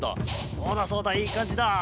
そうだそうだいいかんじだ。